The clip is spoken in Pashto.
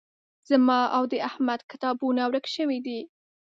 زما او د احمد کتابونه ورک شوي دي